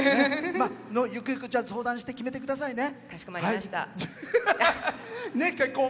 ゆくゆく相談して決めてくださいね。